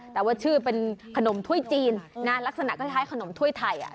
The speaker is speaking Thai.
แต่ว่าชื่อเป็นขนมถ้วยจีนลักษณะคล้ายขนมถ้วยไทย